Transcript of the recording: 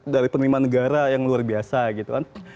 dari penerimaan negara yang luar biasa gitu kan